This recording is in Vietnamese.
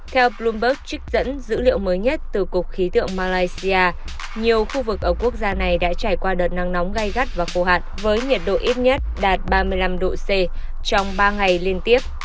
theo bloomberg trích dẫn dữ liệu mới nhất từ cục khí tượng malaysia nhiều khu vực ở quốc gia này đã trải qua đợt nắng nóng gai gắt và khô hạn với nhiệt độ ít nhất đạt ba mươi năm độ c trong ba ngày liên tiếp